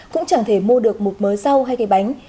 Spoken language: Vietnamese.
cũng chẳng thể mua được một mớ rau hay cái bánh